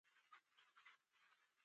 د بیان خپلواکي